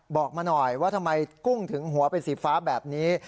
บอกมาหน่อยว่าทำไมกุ้งถึงหัวเป็นสีฟ้าแบบนี้